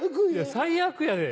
最悪やで。